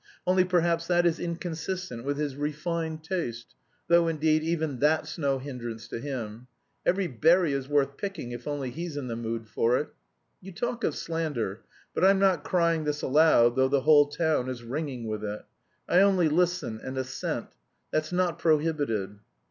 Only perhaps that is inconsistent with his refined taste, though, indeed, even that's no hindrance to him. Every berry is worth picking if only he's in the mood for it. You talk of slander, but I'm not crying this aloud though the whole town is ringing with it; I only listen and assent. That's not prohibited."